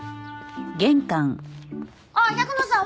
あっ百野さん